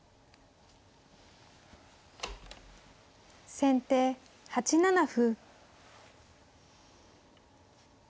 先手８七歩。